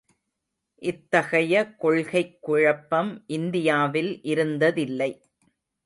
இத்தகைய கொள்கைக் குழப்பம் இந்தியாவில் இருந்ததில்லை.